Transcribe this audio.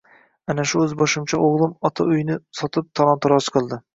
Ana shu o`zboshimcha o`g`lim ota uyni sotib talon-taroj qildi